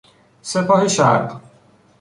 سپاه شرق